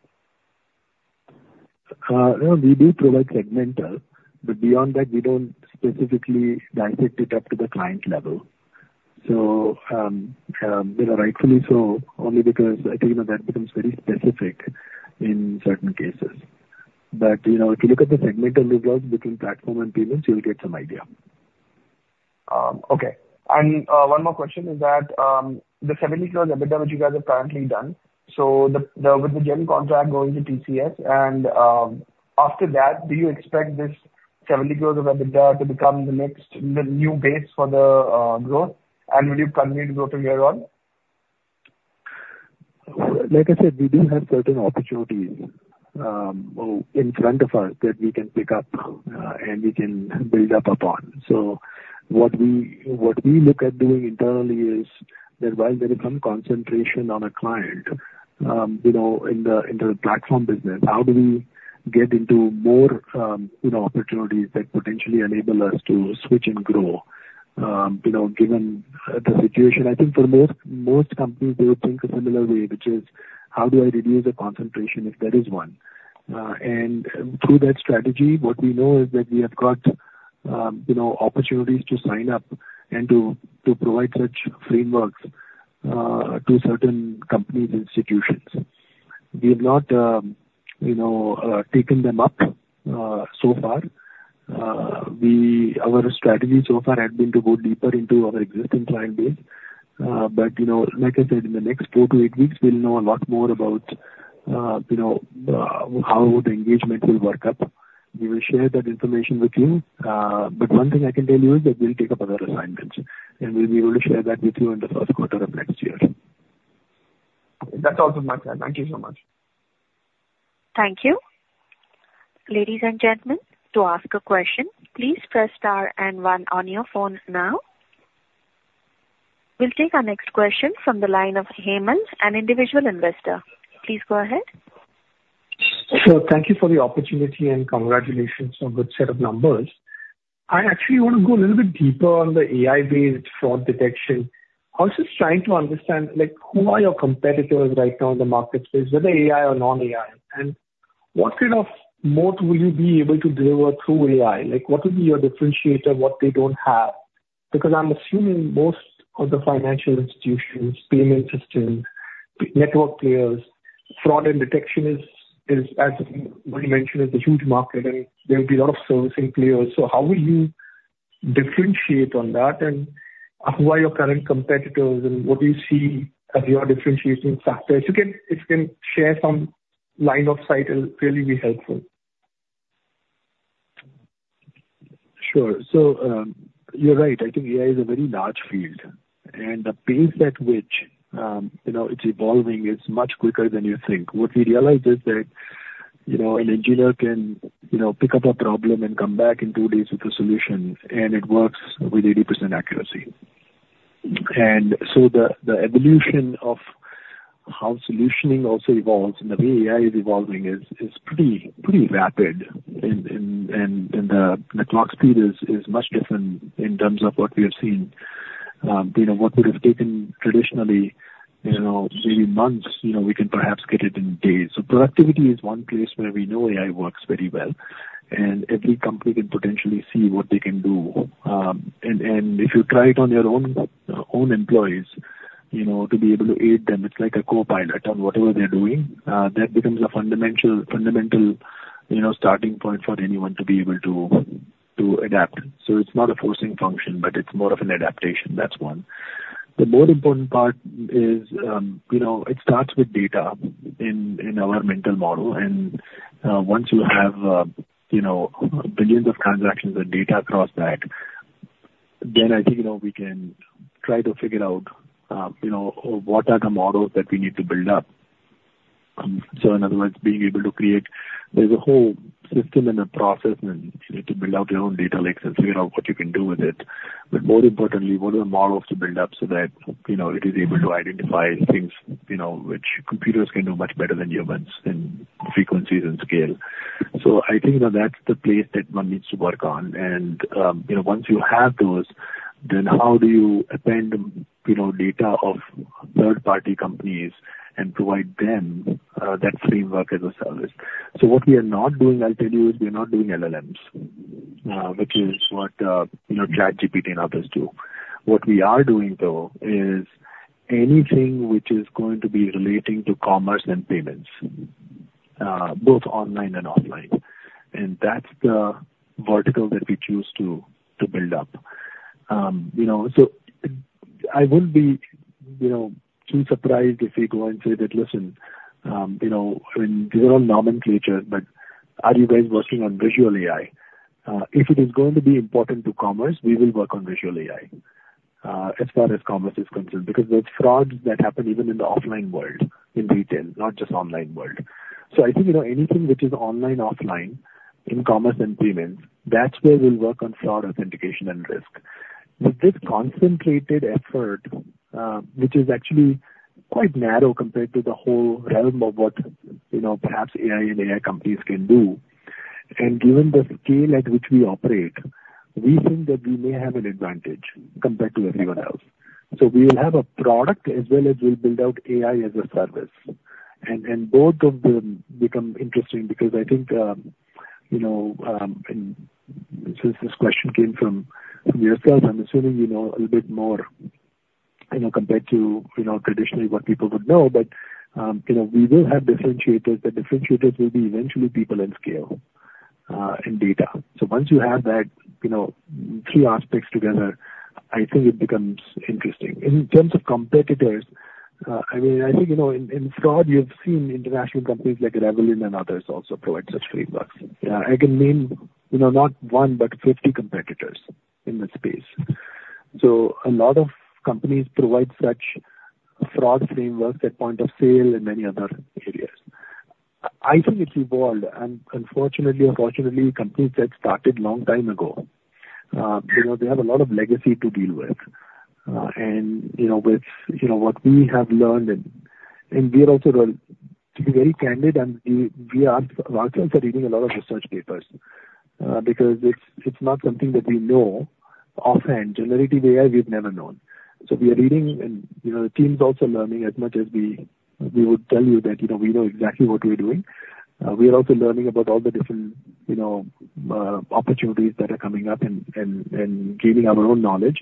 No, we do provide segmental, but beyond that, we don't specifically dissect it up to the client level. So, you know, rightfully so, only because I think that becomes very specific in certain cases. But, you know, if you look at the segmental breakout between platform and payments, you'll get some idea. Okay. One more question is that, the 70 crore EBITDA, which you guys have currently done, so, with the GeM contract going to TCS and, after that, do you expect this 70 crore of EBITDA to become the new base for growth? And will you continue to grow from here on? Like I said, we do have certain opportunities in front of us that we can pick up, and we can build up upon. So what we look at doing internally is that while there is some concentration on a client, you know, in the platform business, how do we get into more, you know, opportunities that potentially enable us to switch and grow, you know, given the situation? I think for most companies, they would think a similar way, which is: How do I reduce the concentration, if there is one? And through that strategy, what we know is that we have got, you know, opportunities to sign up and to provide such frameworks to certain companies and institutions. We have not, you know, taken them up, so far. We... Our strategy so far had been to go deeper into our existing client base, but, you know, like I said, in the next four-eight weeks, we'll know a lot more about, you know, how the engagement will work out. We will share that information with you. But one thing I can tell you is that we'll take up other assignments, and we'll be able to share that with you in the first quarter of next year. That's all from my side. Thank you so much. Thank you. Ladies and gentlemen, to ask a question, please press star and one on your phone now. We'll take our next question from the line of Hemant, an individual investor. Please go ahead. So thank you for the opportunity, and congratulations on good set of numbers. I actually want to go a little bit deeper on the AI-based fraud detection. I was just trying to understand, like, who are your competitors right now in the market space, whether AI or non-AI? And what kind of moat will you be able to deliver through AI? Like, what will be your differentiator, what they don't have? Because I'm assuming most of the financial institutions, payment system, network players, fraud and detection is, as you mentioned, a huge market, and there will be a lot of servicing players. So how will you differentiate on that, and who are your current competitors, and what do you see as your differentiating factors? You can, if you can share some line of sight, it'll really be helpful. Sure. So, you're right. I think AI is a very large field, and the pace at which, you know, it's evolving is much quicker than you think. What we realized is that, you know, an engineer can, you know, pick up a problem and come back in two days with a solution, and it works with 80% accuracy. And so the evolution of how solutioning also evolves and the way AI is evolving is pretty rapid, and the clock speed is much different in terms of what we have seen. You know, what would have taken traditionally, you know, maybe months, you know, we can perhaps get it in days. So productivity is one place where we know AI works very well, and every company can potentially see what they can do. And if you try it on your own employees, you know, to be able to aid them, it's like a co-pilot on whatever they're doing, that becomes a fundamental, you know, starting point for anyone to be able to adapt. So it's not a forcing function, but it's more of an adaptation. That's one. The more important part is, you know, it starts with data in our mental model, and once you have, you know, billions of transactions and data across that, then I think, you know, we can try to figure out, you know, what are the models that we need to build up? So in other words, being able to create. There's a whole system and a process and you need to build out your own data lakes and figure out what you can do with it. But more importantly, what are the models to build up so that, you know, it is able to identify things, you know, which computers can do much better than humans in frequencies and scale. So I think that that's the place that one needs to work on. And, you know, once you have those, then how do you append, you know, data of third-party companies and provide them, that framework as a service? So what we are not doing, I'll tell you, is we are not doing LLMs, which is what, you know, ChatGPT and others do. What we are doing, though, is anything which is going to be relating to commerce and payments, both online and offline, and that's the vertical that we choose to build up. You know, so I wouldn't be, you know, too surprised if we go and say that, "Listen, you know, these are all nomenclature, but are you guys working on Visual AI?" If it is going to be important to commerce, we will work on Visual AI, as far as commerce is concerned, because there's frauds that happen even in the offline world, in retail, not just online world. So I think, you know, anything which is online/offline in commerce and payments, that's where we'll work on fraud, authentication, and risk. With this concentrated effort, which is actually quite narrow compared to the whole realm of what, you know, perhaps AI and AI companies can do, and given the scale at which we operate, we think that we may have an advantage compared to everyone else. So we will have a product as well as we'll build out AI as a service. And both of them become interesting because I think, you know, and since this question came from yourself, I'm assuming you know a little bit more, you know, compared to, you know, traditionally what people would know. But, you know, we will have differentiators. The differentiators will be eventually people and scale, and data. So once you have that, you know, three aspects together, I think it becomes interesting. In terms of competitors, I mean, I think, you know, in fraud, you've seen international companies like Revolut and others also provide such frameworks. I can name, you know, not one, but 50 competitors in this space. So a lot of companies provide such fraud frameworks at point of sale and many other areas. I think it's evolved, and unfortunately or fortunately, companies that started long time ago, you know, they have a lot of legacy to deal with. And, you know, with, you know, what we have learned, and we are also, to be very candid, and we are, our teams are reading a lot of research papers, because it's not something that we know offhand. Generative AI, we've never known. So we are reading and, you know, the team's also learning. As much as we would tell you that, you know, we know exactly what we're doing, we are also learning about all the different, you know, opportunities that are coming up and gaining our own knowledge.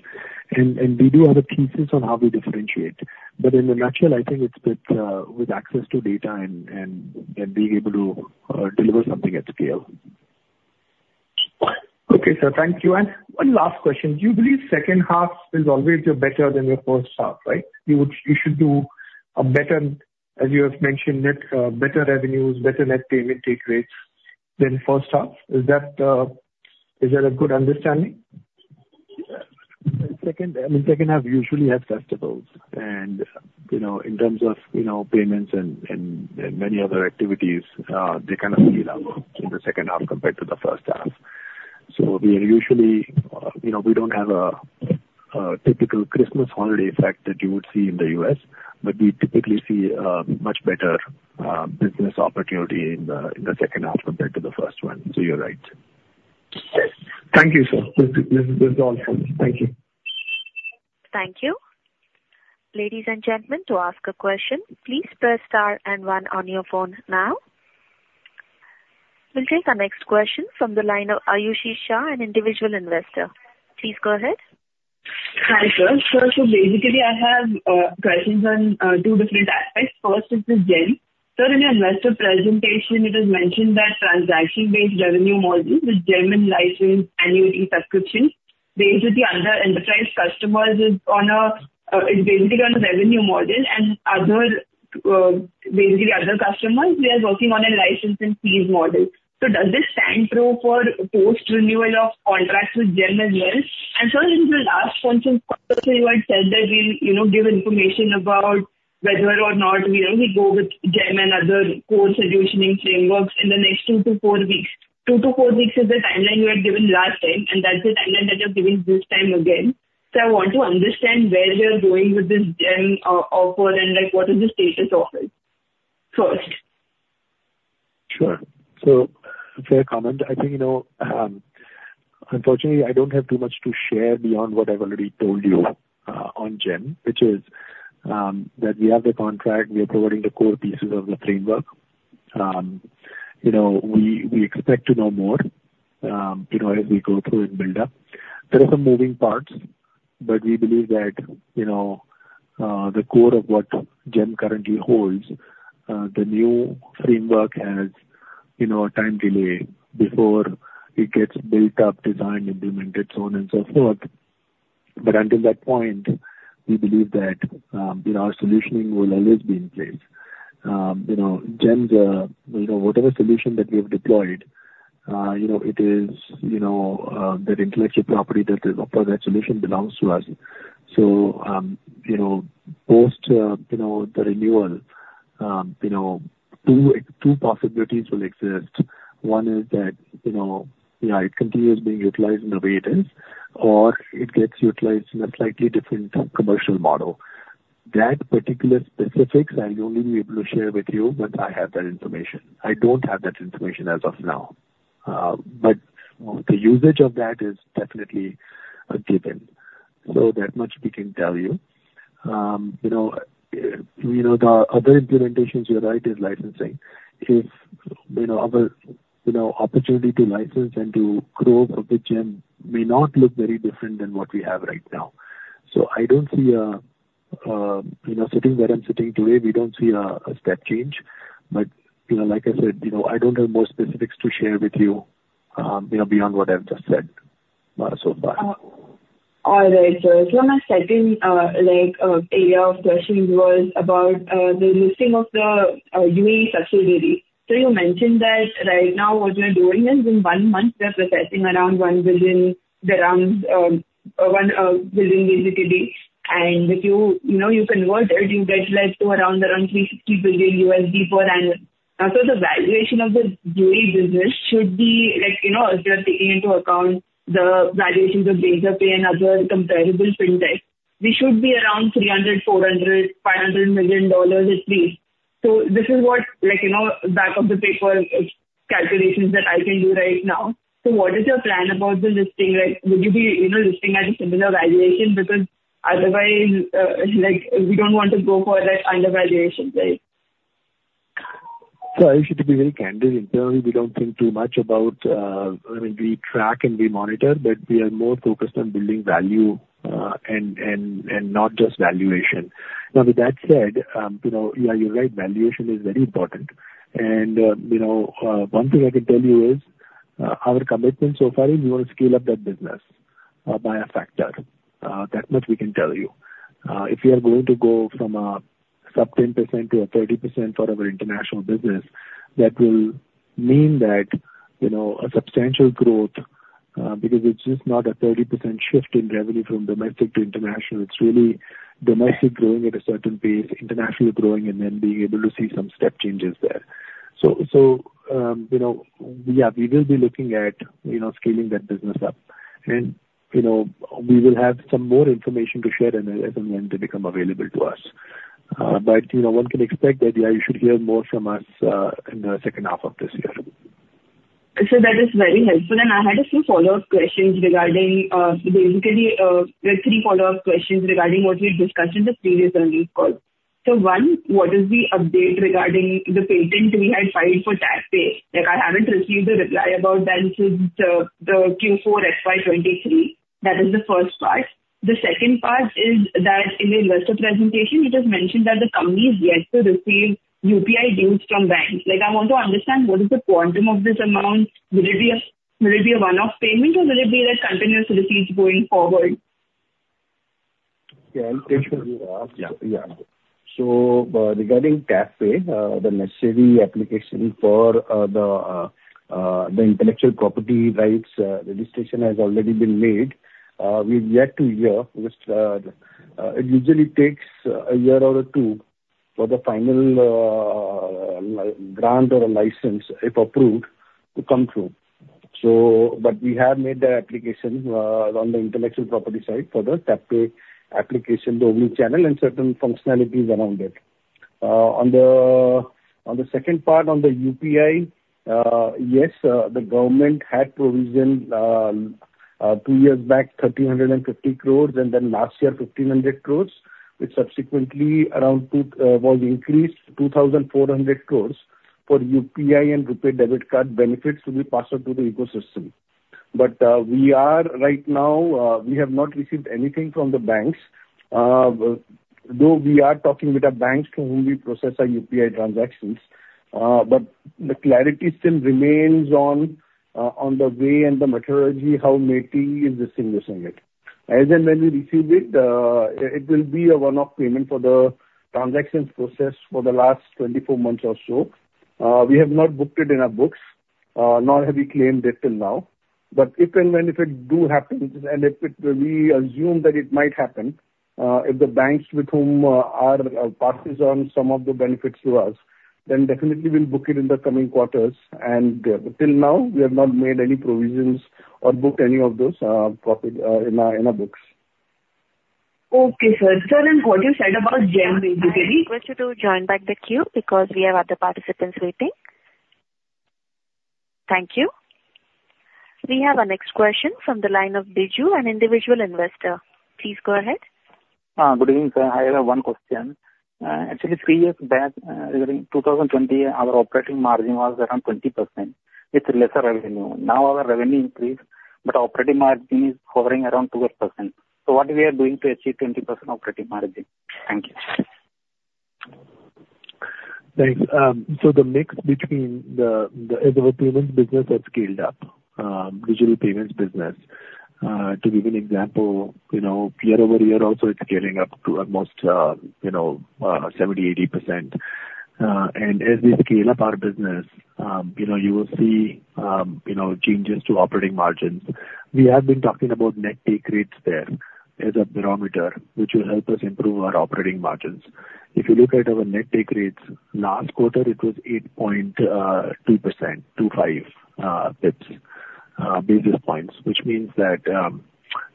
And we do have the pieces on how we differentiate. But in a nutshell, I think it's with access to data and being able to deliver something at scale. Okay, sir, thank you. And one last question: Do you believe second half is always better than your first half, right? You would... You should do a better, as you have mentioned it, better revenues, better net payment take rates than first half. Is that, is that a good understanding? Second, I mean, second half usually has festivals and, you know, in terms of, you know, payments and, and, and many other activities, they kind of scale up in the second half compared to the first half. So we usually, you know, we don't have a typical Christmas holiday effect that you would see in the U.S., but we typically see much better business opportunity in the second half compared to the first one. So you're right. Yes. Thank you, sir. This is all from me. Thank you. Thank you. Ladies and gentlemen, to ask a question, please press star and one on your phone now. We'll take our next question from the line of Ayushi Shah, an individual investor. Please go ahead. Hi, sir. So basically, I have questions on two different aspects. First is the GeM. Sir, in your investor presentation, it was mentioned that transaction-based revenue model with GeM and license annuity subscriptions, basically other enterprise customers, is basically on a revenue model and other, basically other customers, we are working on a license and fees model. So does this stand true for post-renewal of contracts with GeM as well? And sir, this is the last one. So you had said that we'll, you know, give information about whether or not, you know, we go with GeM and other core solutioning frameworks in the next two to four weeks. Two to four weeks is the timeline you had given last time, and that's the timeline that you're giving this time again. I want to understand where we are going with this GeM offer and, like, what is the status of it, first? Sure. So fair comment. I think, you know, unfortunately, I don't have too much to share beyond what I've already told you, on GeM, which is, that we have the contract, we are providing the core pieces of the framework. You know, we, we expect to know more, you know, as we go through and build up. There are some moving parts, but we believe that, you know, the core of what GeM currently holds, the new framework has, you know, a time delay before it gets built up, designed, implemented, so on and so forth. But until that point, we believe that, you know, our solutioning will always be in place. You know, GeM's, you know, whatever solution that we have deployed-... You know, it is, you know, that intellectual property, that is, for that solution belongs to us. So, you know, post, you know, the renewal, you know, two possibilities will exist. One is that, you know, yeah, it continues being utilized in the way it is, or it gets utilized in a slightly different commercial model. That particular specifics, I'll only be able to share with you when I have that information. I don't have that information as of now. But the usage of that is definitely a given. So that much we can tell you. You know, you know, the other implementations, you're right, is licensing. If you know our, you know, opportunity to license and to grow for the GeM may not look very different than what we have right now. So I don't see, you know, sitting where I'm sitting today, we don't see a step change. But, you know, like I said, you know, I don't have more specifics to share with you, you know, beyond what I've just said, so far. All right, sir. So my second, like, area of questioning was about, the listing of the, UAE subsidiary. So you mentioned that right now what you're doing is in one month, we are processing around AED 1 billion, one, billion basically. And if you, you know, you convert it, you get, like, to around around $360 billion per annum. So the valuation of the UAE business should be like, you know, if you're taking into account the valuations of Visa Pay and other comparable fintech, we should be around $300 million-$500 million at least. So this is what, like, you know, back of the paper, calculations that I can do right now. So what is your plan about the listing? Like, would you be, you know, listing at a similar valuation? Because otherwise, like, we don't want to go for that kind of valuation, right? So I should be very candid. Internally, we don't think too much about, I mean, we track and we monitor, but we are more focused on building value, and, and, and not just valuation. Now, with that said, you know, yeah, you're right, valuation is very important. And, you know, one thing I can tell you is, our commitment so far is we want to scale up that business, by a factor. That much we can tell you. If you are going to go from a sub 10% to a 30% for our international business, that will mean that, you know, a substantial growth, because it's just not a 30% shift in revenue from domestic to international. It's really domestic growing at a certain pace, internationally growing, and then being able to see some step changes there. You know, yeah, we will be looking at, you know, scaling that business up. You know, we will have some more information to share then, as and when they become available to us. But, you know, one can expect that, yeah, you should hear more from us in the second half of this year. So that is very helpful, and I had a few follow-up questions regarding basically there are three follow-up questions regarding what we discussed in the previous earnings call. So one, what is the update regarding the patent we had filed for TapPay? Like, I haven't received a reply about that since the Q4 FY 2023. That is the first part. The second part is that in the investor presentation, it is mentioned that the company is yet to receive UPI dues from banks. Like, I want to understand what is the quantum of this amount? Will it be a one-off payment or will it be like continuous receipts going forward? Yeah, I'll take those. Yeah. Yeah. Regarding TapPay, the necessary application for the intellectual property rights registration has already been made. We've yet to hear because it usually takes a year or two for the final grant or a license, if approved, to come through. We have made that application on the intellectual property side for the TapPay application, the omnichannel and certain functionalities around it. On the second part, on the UPI, yes, the government had provisioned two years back, 3,150 crore, and then last year, 1,500 crore, which subsequently was increased to 2,400 crore for UPI and RuPay debit card benefits to be passed on to the ecosystem. But, we are right now, we have not received anything from the banks, though we are talking with the banks through whom we process our UPI transactions. But the clarity still remains on, on the way and the methodology, how NPCI is dispensing this on it. As and when we receive it, it will be a one-off payment for the transactions processed for the last 24 months or so. We have not booked it in our books, nor have we claimed it till now. But if and when, if it do happen, and if it, we assume that it might happen, if the banks with whom are parties on some of the benefits to us, then definitely we'll book it in the coming quarters. Till now, we have not made any provisions or booked any of those profit in our, in our books. Okay, sir. Sir, and what you said about Gen basically- I request you to join back the queue because we have other participants waiting. Thank you. We have our next question from the line of Biju, an individual investor. Please go ahead. Good evening, sir. I have one question. Actually, three years back, during 2020, our operating margin was around 20% with lesser revenue. Now, our revenue increased, but operating margin is hovering around 2%. So what we are doing to achieve 20% operating margin? Thank you. Thanks. The mix between the, the payment business has scaled up... digital payments business. To give an example, you know, year-over-year also, it's scaling up to almost 70%-80%. As we scale up our business, you know, you will see, you know, changes to operating margins. We have been talking about net take rates there as a barometer, which will help us improve our operating margins. If you look at our net take rates, last quarter it was 8.2, 2.5 basis points. Which means that,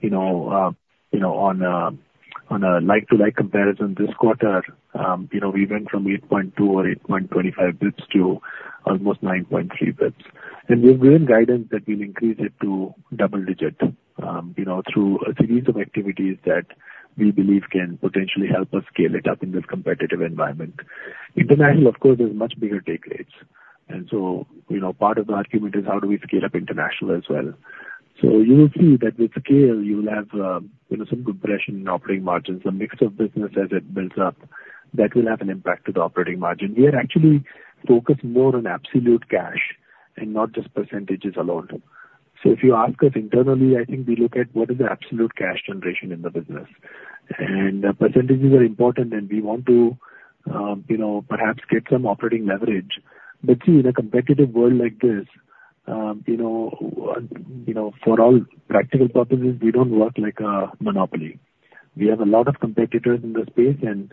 you know, you know, on a like-to-like comparison this quarter, you know, we went from 8.2 or 8.25 basis points to almost 9.3 basis points. We've given guidance that we'll increase it to double digit, you know, through a series of activities that we believe can potentially help us scale it up in this competitive environment. International, of course, is much bigger take rates, and so, you know, part of the argument is how do we scale up international as well? So you will see that with scale, you will have, you know, some good pressure in operating margins, a mix of business as it builds up, that will have an impact to the operating margin. We are actually focused more on absolute cash and not just percentages alone. So if you ask us internally, I think we look at what is the absolute cash generation in the business. And, percentages are important and we want to, you know, perhaps get some operating leverage. But see, in a competitive world like this, you know, you know, for all practical purposes, we don't work like a monopoly. We have a lot of competitors in the space, and,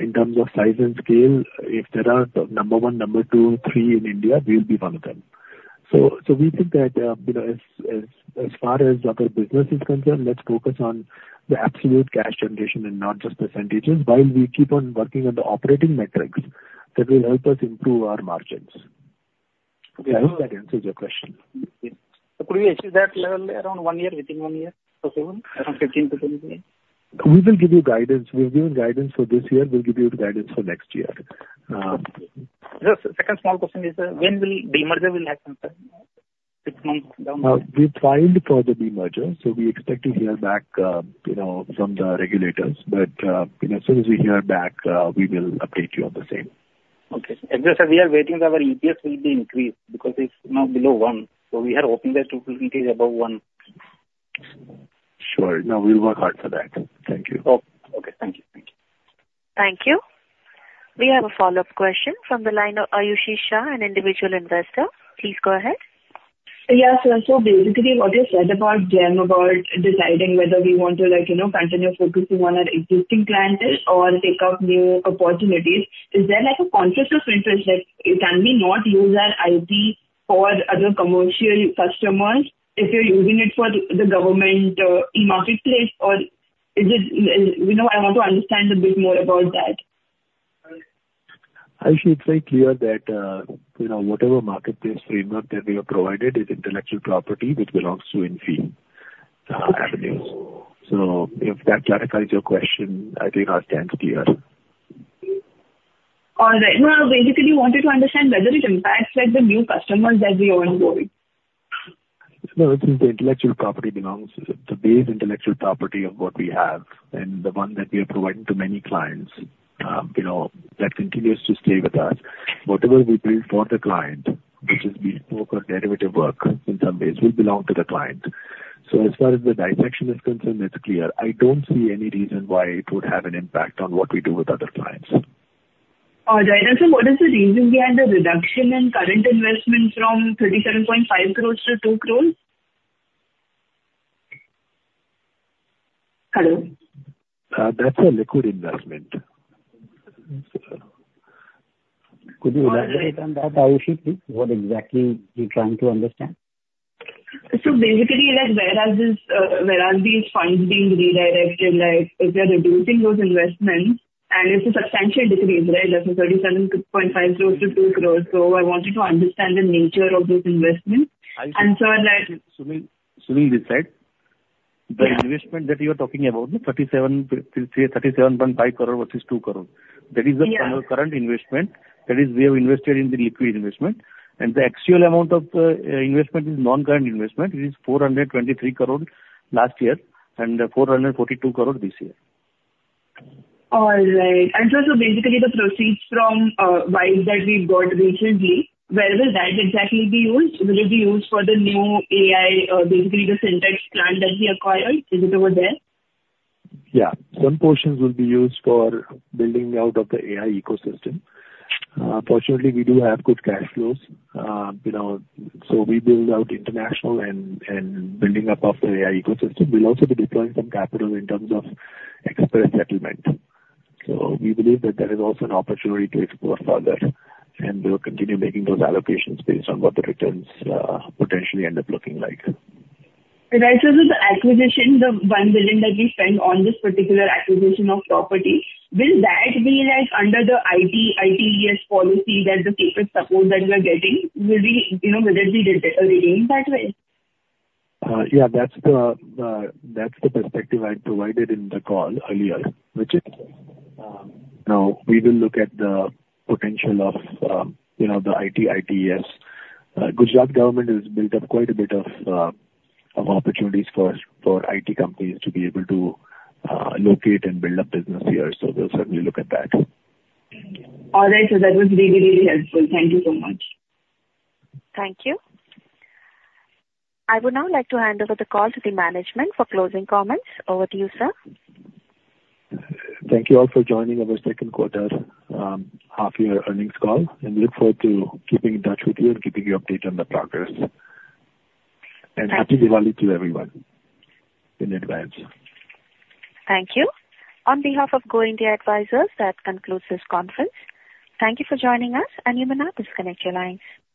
in terms of size and scale, if there are number one, number two, three in India, we'll be one of them. So, we think that, you know, as far as our business is concerned, let's focus on the absolute cash generation and not just percentages, while we keep on working on the operating metrics that will help us improve our margins. Okay, I hope that answers your question. Could we achieve that level around one year, within one year or so, around 15%-20%? We will give you guidance. We've given guidance for this year, we'll give you the guidance for next year. Just a second small question is, when will the demerger will happen, sir? 60, down- We filed for the demerger, so we expect to hear back, you know, from the regulators. But, you know, as soon as we hear back, we will update you on the same. Okay. As I said, we are waiting, our EPS will be increased because it's now below one, so we are hoping that it will increase above one. Sure. No, we'll work hard for that. Thank you. Okay. Thank you. Thank you. Thank you. We have a follow-up question from the line of Ayushi Shah, an individual investor. Please go ahead. Yes, sir. So basically, what you said about GeM, about deciding whether we want to like, you know, continue focusing on our existing clients or take up new opportunities, is there, like, a conflict of interest, like, can we not use our IP for other commercial customers if you're using it for the government or in marketplace? Or is it... You know, I want to understand a bit more about that. Ayushi, it's very clear that, you know, whatever marketplace framework that we have provided is intellectual property, which belongs to Infibeam Avenues. So if that clarifies your question, I think our stand is clear. All right. No, basically, I wanted to understand whether it impacts, like, the new customers that we are onboarding. No, it's the intellectual property belongs, the base intellectual property of what we have and the one that we are providing to many clients, you know, that continues to stay with us. Whatever we build for the client, which is bespoke or derivative work in some ways, will belong to the client. So as far as the dissection is concerned, it's clear. I don't see any reason why it would have an impact on what we do with other clients. All right. Sir, what is the reason behind the reduction in current investment from 37.5 crores to 2 crores? Hello? That's a liquid investment. Could you elaborate on that, Ayushi, please? What exactly you're trying to understand? So basically, like, whereas this, whereas these funds being redirected, like, if you're reducing those investments, and it's a substantial decrease, right? From 37.5 crore to 2 crore. So I wanted to understand the nature of those investments. And, sir, like- Sumi, Sumi this side. The investment that you're talking about, the 37, say 37.5 crore versus 2 crore- Yeah. That is our current investment. That is, we have invested in the liquid investment. And the actual amount of investment is non-current investment. It is 423 crore last year and 442 crore this year. All right. And so basically, the proceeds from Vybe that we got recently, where will that exactly be used? Will it be used for the new AI, basically the Sintex plant that we acquired, is it over there? Yeah. Some portions will be used for building out of the AI ecosystem. Fortunately, we do have good cash flows, you know, so we build out international and, and building up of the AI ecosystem. We'll also be deploying some capital in terms of express settlement. So we believe that there is also an opportunity to explore further, and we'll continue making those allocations based on what the returns, potentially end up looking like. Also the acquisition, the 1 billion that we spent on this particular acquisition of property, will that be, like, under the IT, ITES policy, that the paper support that we are getting will be, you know, whether we did this or again, that way? Yeah, that's the perspective I provided in the call earlier, which is, now we will look at the potential of, you know, the IT, ITES. Gujarat government has built up quite a bit of opportunities for us, for IT companies to be able to locate and build up business here. So we'll certainly look at that. All right, sir. That was really, really helpful. Thank you so much. Thank you. I would now like to hand over the call to the management for closing comments. Over to you, sir. Thank you all for joining our second quarter, half year earnings call, and look forward to keeping in touch with you and keeping you updated on the progress. Happy Diwali to everyone in advance. Thank you. On behalf of Go India Advisors, that concludes this conference. Thank you for joining us, and you may now disconnect your lines.